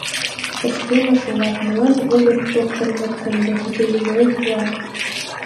Пычкемыш улат, молан вольык докторым от кондо, тудо эмлен пуа...